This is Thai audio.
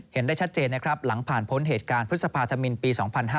เห็นได้ชัดเจนนะครับหลังผ่านพ้นเหตุการณ์พฤษภาธมินปี๒๕๕๙